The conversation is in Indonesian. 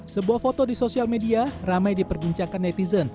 sebuah foto di sosial media ramai diperbincangkan netizen